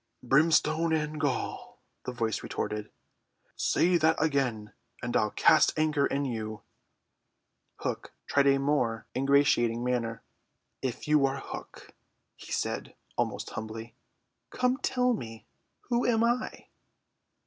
"Brimstone and gall," the voice retorted, "say that again, and I'll cast anchor in you." Hook tried a more ingratiating manner. "If you are Hook," he said almost humbly, "come tell me, who am I?"